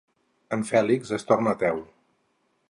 En Fèlix es torna ateu.